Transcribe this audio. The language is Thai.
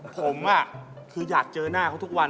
ผมคืออยากเจอหน้าเขาทุกวัน